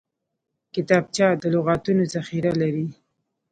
کتابچه د لغتونو ذخیره لري